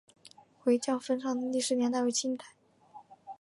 回教坟场的历史年代为清代。